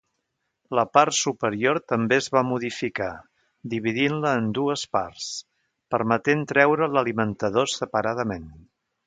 La part superior també es va modificar, dividint-la en dues parts, permetent treure l'alimentador separadament.